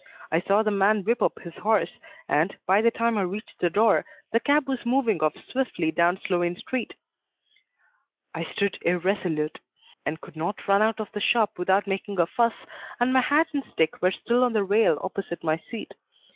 I saw the man whip up his horse, and, by the time I reached the door, the cab was moving off swiftly towards Sloane Street. I stood irresolute. I had not paid and could not run out of the shop without making a fuss, and my hat and stick were still on the rail opposite my seat.